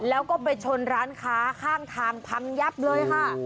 แล้วก็ไปชนร้านค้าข้างทางพังยับเลยค่ะ